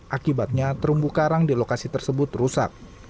akibatnya terumbu karang di lokasi tersebut rusak